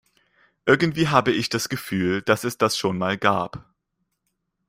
Irgendwie habe ich das Gefühl, dass es das schon mal gab.